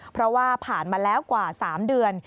เพราะว่าผ่านมาแล้วกว่า๓เดือน